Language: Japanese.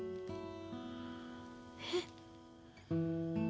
えっ？